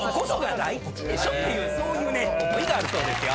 ていうそういう思いがあるそうですよ。